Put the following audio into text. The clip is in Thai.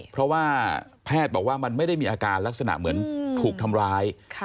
เพราะว่าแพทย์บอกว่ามันไม่ได้มีอาการลักษณะเหมือนถูกทำร้าย